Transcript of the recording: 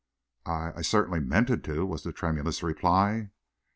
"I I certainly meant it to," was the tremulous reply.